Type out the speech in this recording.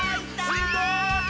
すごい。